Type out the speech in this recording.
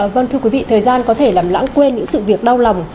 vâng thưa quý vị thời gian có thể làm lãng quên những sự việc đau lòng